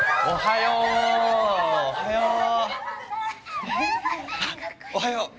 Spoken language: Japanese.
おはよう。